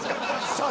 さあ